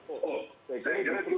oh saya ingin mengetahui